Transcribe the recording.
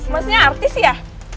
masnya artis ya